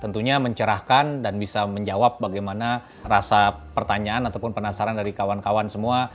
tentunya mencerahkan dan bisa menjawab bagaimana rasa pertanyaan ataupun penasaran dari kawan kawan semua